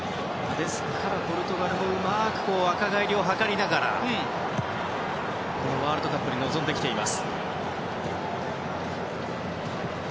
ですから、ポルトガルもうまく若返りを図りながらこのワールドカップに臨んできています。